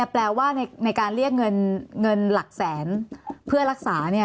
แปลว่าในการเรียกเงินหลักแสนเพื่อรักษา